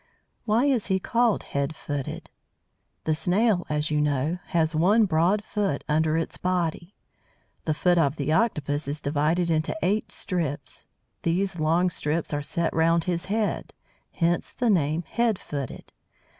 _ Why is he called head footed? The snail, as you know, has one broad foot under its body. The foot of the Octopus is divided into eight strips. These long strips are set round his head, hence the name head footed.